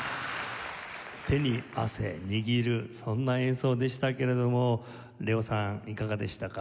手に汗握るそんな演奏でしたけれどもＬＥＯさんいかがでしたか？